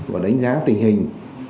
và đánh giá tình hình